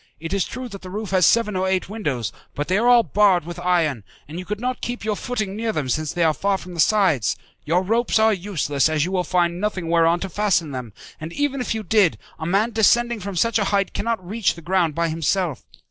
It is true that the roof has seven or eight windows, but they are all barred with iron, and you could not keep your footing near them since they are far from the sides. Your ropes are useless, as you will find nothing whereon to fasten them; and even if you did, a man descending from such a height cannot reach the ground by himself.